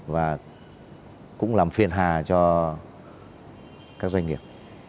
và cũng làm phiền hà cho các doanh nghiệp